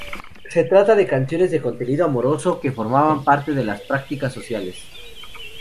Se trata de canciones de contenido amoroso, que formaban parte de las prácticas sociales.